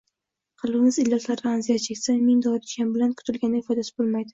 Qalbimiz illatlardan aziyat cheksa, ming dori ichgan bilan kutilganidek foydasi bo‘lmaydi.